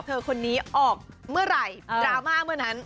คนนี้ออกเมื่อไหร่ดราม่าเมื่อนั้น